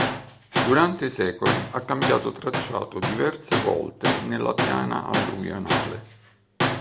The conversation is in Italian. Durante i secoli ha cambiato tracciato diverse volte nella piana alluvionale.